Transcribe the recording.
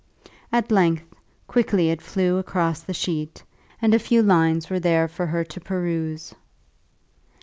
At length, quickly it flew across the sheet, and a few lines were there for her to peruse.